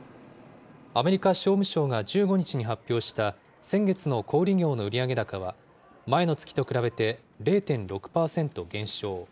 アメリカ商務省が１５日に発表した先月の小売り業の売上高は、前の月と比べて０．６％減少。